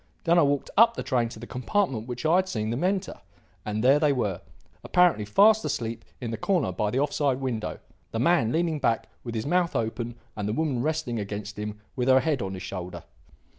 Then I walked up the train to the compartment which I had seen them enter. And there they were, apparently fast asleep in the corner by the off side window, the man leaning back with his mouth open and the woman resting against him with her head on his shoulder.